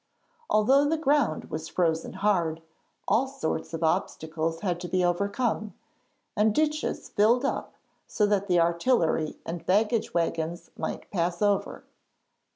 Although the ground was frozen hard, all sorts of obstacles had to be overcome, and ditches filled up, so that the artillery and baggage waggons might pass over.